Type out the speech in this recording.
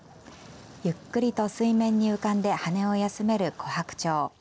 ゆっくりと水面に浮かんで羽を休めるコハクチョウ。